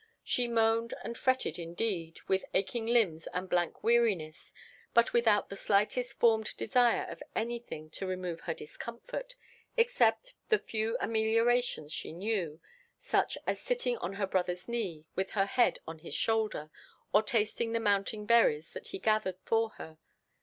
She moaned and fretted indeed, with aching limbs and blank weariness, but without the slightest formed desire for anything to remove her discomfort, except the few ameliorations she knew, such as sitting on her brother's knee, with her head on his shoulder, or tasting the mountain berries that he gathered for her.